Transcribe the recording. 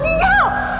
tidak ada apa apa